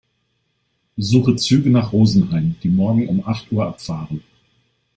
Suche Züge nach Rosenheim, die morgen um acht Uhr abfahren.